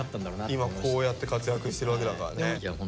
今こうやって活躍してるわけだからね。